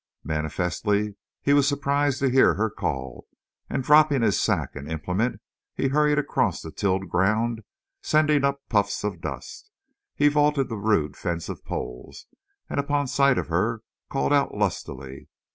Manifestly he was surprised to hear her call, and, dropping his sack and implement, he hurried across the tilled ground, sending up puffs of dust. He vaulted the rude fence of poles, and upon sight of her called out lustily.